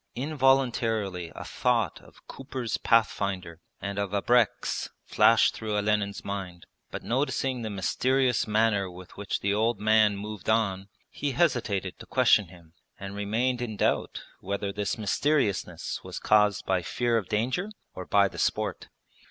Involuntarily a thought of Cooper's Pathfinder and of abreks flashed through Olenin's mind, but noticing the mysterious manner with which the old man moved on, he hesitated to question him and remained in doubt whether this mysteriousness was caused by fear of danger or by the sport.